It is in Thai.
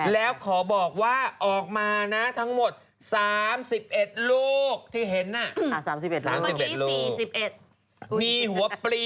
แล้วขอบอกว่าออกมานะทั้งหมด๓๑ลูกที่เห็นน่ะ